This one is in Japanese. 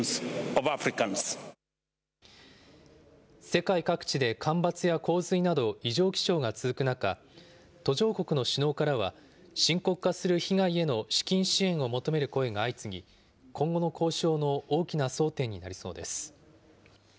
世界各地で干ばつや洪水など、異常気象が続く中、途上国の首脳からは、深刻化する被害への資金支援を求める声が相次ぎ、今後の交渉の大きな争点になりそうです。